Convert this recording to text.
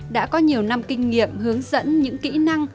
đã có nhiều năm kinh nghiệm hướng dẫn những kỹ năng